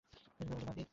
তিনি ছিলেন একজন দাদী।